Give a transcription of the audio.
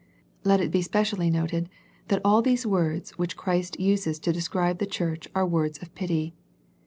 Let it be specially noted that all these words which Christ uses to describe the church are words of pity.